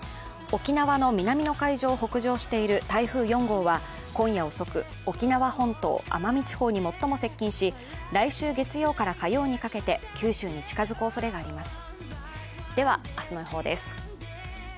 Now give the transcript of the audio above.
沖縄の南の海上を北上している台風４号は今夜遅く、沖縄本島・奄美地方に最も接近し、来週月曜から火曜にかけて九州に近づくおそれがあります。